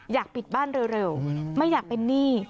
อยากปิดบ้านเร็วไม่อยากเป็นหนี้